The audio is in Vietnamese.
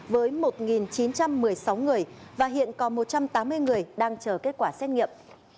với một chín trăm một mươi sáu người và hiện còn một trăm tám mươi người đang chờ kết quả xét nghiệm